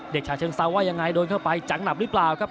ฉะเชิงเซาว่ายังไงโดนเข้าไปจังหนับหรือเปล่าครับ